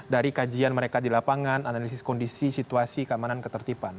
dari kajian mereka di lapangan analisis kondisi situasi keamanan ketertiban